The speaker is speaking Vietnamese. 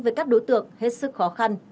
với các đối tượng hết sức khó khăn